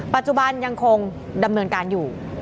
ปัจจุบันยังคงดำเนินการอยู่